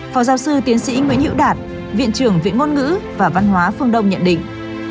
phó giáo sư tiến sĩ nguyễn hữu đạt viện trưởng viện ngôn ngữ và văn hóa phương đông nhận định